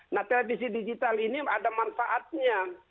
nah televisi digital ini ada manfaatnya